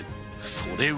それは